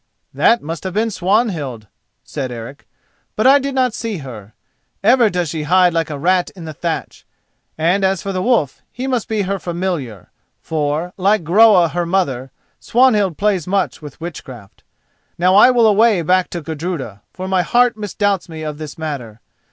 "That must have been Swanhild," said Eric, "but I did not see her. Ever does she hide like a rat in the thatch, and as for the wolf, he must be her Familiar; for, like Groa, her mother, Swanhild plays much with witchcraft. Now I will away back to Gudruda, for my heart misdoubts me of this matter.